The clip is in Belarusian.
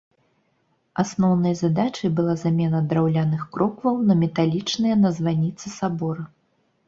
Асноўнай задачай была замена драўляных крокваў на металічныя на званіцы сабора.